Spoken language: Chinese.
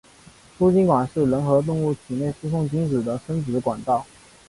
输精管是人和动物体内输送精子的生殖管道。